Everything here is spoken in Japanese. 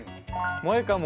「もえかも」？